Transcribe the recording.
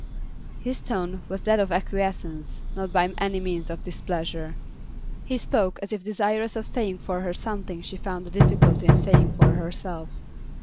His tone was that of acquiescence; not by any means of displeasure. He spoke as if desirous of saying for her something she found a difficulty in saying for herself.